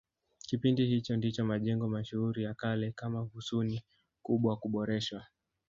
Kipindi hicho ndicho majengo mashuhuri ya kale kama Husuni Kubwa kuboreshwa